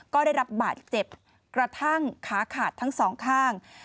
ก็ได้รับบาดเจ็บกระทั่งขาขาดทั้งสองข้าง